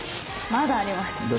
まだありますね。